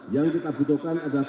yang kita butuhkan adalah